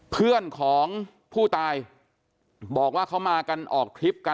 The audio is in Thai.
เพื่อนของผู้ตายบอกว่าเขามากันออกทริปกัน